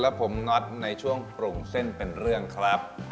แล้วผมง็อตในช่วงปรุงเส้นเป็นเรื่องครับ